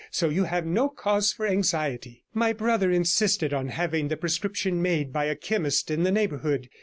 So you have no cause for anxiety.' My brother insisted on having the prescription made up by a chemist in the neighbourhood.